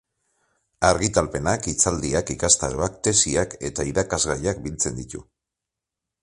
Argitalpenak, hitzaldiak, ikastaroak, tesiak eta irakasgaiak biltzen ditu.